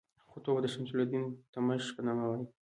خطبه به د شمس الدین التمش په نامه وایي.